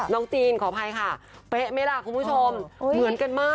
จีนขออภัยค่ะเป๊ะไหมล่ะคุณผู้ชมเหมือนกันมาก